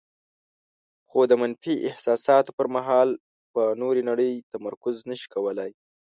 خو د منفي احساساتو پر مهال په نورې نړۍ تمرکز نشي کولای.